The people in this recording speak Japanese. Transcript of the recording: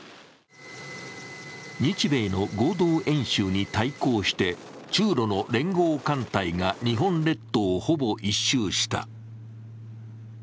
日米の合同演習に対抗して中ロの連合艦隊が日本列島をほぼ１周した。